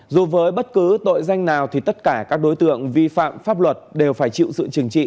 dù với bất cứ tội danh nào thì tất cả các đối tượng vi phạm pháp luật đều phải chịu sự trừng trị